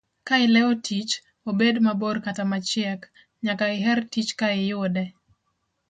Kaileo tich, obed mabor kata machiek, nyaka iher tich ka iyude.